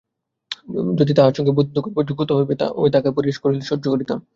যদি তাঁহার সঙ্গে বন্ধুত্ব করিবার যোগ্য হইতে, তবে তাঁহাকে পরিহাস করিলে সহ্য করিতাম।